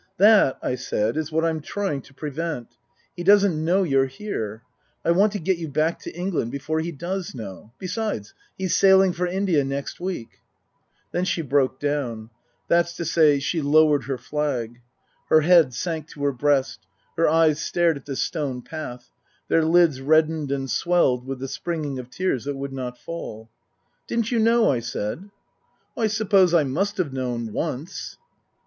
" That," I said, " is what I'm trying to prevent. He doesn't know you're here. I want to get you back to England before he does know. Besides he's sailing for India next week." Then she broke down ; that's to say, she lowered her flag. Her head sank to her breast ; her eyes stared at the stone path ; their lids reddened and swelled with the springing of tears that would not fall. " Didn't you know ?" I said. " I suppose I must have known once."